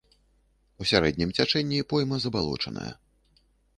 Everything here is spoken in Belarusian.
У сярэднім цячэнні пойма забалочаная.